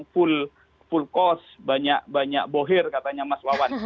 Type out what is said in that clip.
full cost banyak banyak bohir katanya mas wawan